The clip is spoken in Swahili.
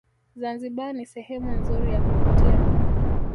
zanzibar ni sehemu nzuri ya kuvutia